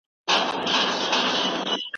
د شبقدر په کیسو چي مُلا ستونی و څیرلی